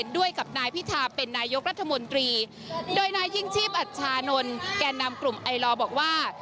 โดยนายจิงชีพอัฐชานนท์แก่นำกลุ่มไอลองบอกว่า